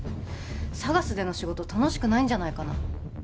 ＳＡＧＡＳでの仕事楽しくないんじゃないかな